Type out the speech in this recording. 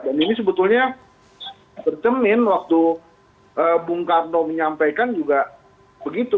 dan ini sebetulnya berjemin waktu bung karno menyampaikan juga begitu